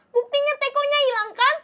buktinya teko nya ilang kan